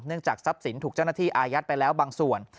จากทรัพย์สินถูกเจ้าหน้าที่อายัดไปแล้วบางส่วน